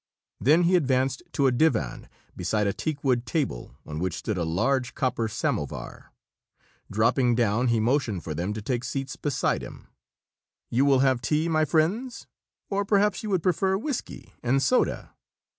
Then he advanced to a divan beside a teakwood table on which stood a large copper samovar. Dropping down, he motioned for them to take seats beside him. "You will have tea, my friends? Or perhaps you would prefer whiskey and soda?"